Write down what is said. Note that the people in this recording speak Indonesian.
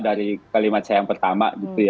dari kalimat saya yang pertama